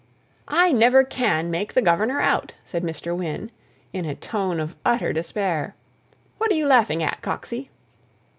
"I never can make the governor out," said Mr. Wynne, in a tone of utter despair. "What are you laughing at, Coxey?"